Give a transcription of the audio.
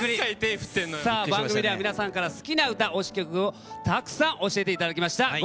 番組では、皆さんから好きな歌、推し曲をたくさん教えていただきました。